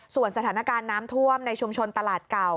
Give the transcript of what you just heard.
ส่วนสถานการณ์น้ำท่วมในชุมชนตลาดเก่า